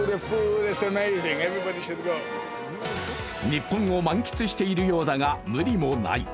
日本を満喫しているようだが無理もない。